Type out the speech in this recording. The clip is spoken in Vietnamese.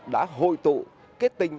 đã hội tụ kết tinh